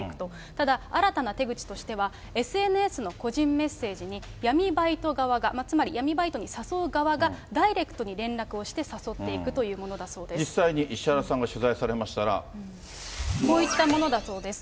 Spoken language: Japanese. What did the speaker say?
ただ、新たな手口としては、ＳＮＳの個人メッセージに、闇バイト側が、つまり闇バイトに誘う側がダイレクトに連絡をして誘っていくとい実際に石原さんが取材されまこういったものだそうです。